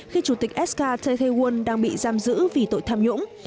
khi chủ tịch sk chae tae woon đang bị giam giữ vì tội tham nhũng